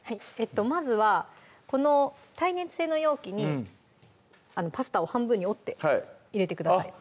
まずはこの耐熱性の容器にパスタを半分に折って入れてください